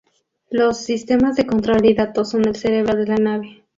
Los sistemas de control y datos son el "cerebro de la nave".